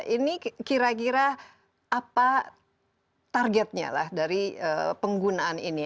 ini kira kira apa targetnya lah dari penggunaan ini